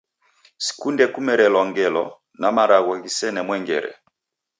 Sikunde kumerelwa ngelo na malagho ghisene mwengere.